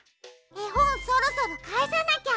えほんそろそろかえさなきゃ。